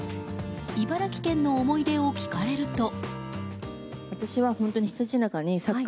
茨城県の思い出を聞かれると。